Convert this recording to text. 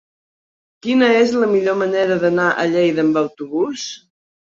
Quina és la millor manera d'anar a Lleida amb autobús?